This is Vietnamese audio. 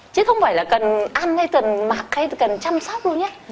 chứ không phải là cần ăn hay cần mặc hay cần chăm sóc luôn nhé